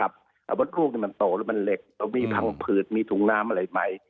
มดลูกมันโตแล้วมันเหล็กต้องมีพังผืดมีถุงน้ำอะไรไหม